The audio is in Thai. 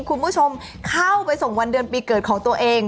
คุณผู้ชมเข้าไปส่งวันเดือนปีเกิดของตัวเอง